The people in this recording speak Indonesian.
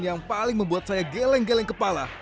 yang paling membuat saya geleng geleng kepala